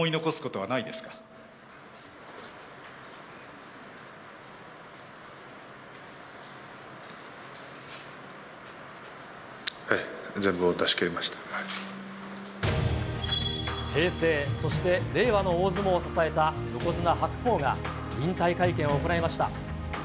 はい、平成、そして令和の大相撲を支えた横綱・白鵬が引退会見を行いました。